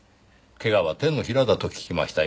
怪我は手のひらだと聞きましたよ。